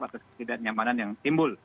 atau ketidaknyamanan yang timbul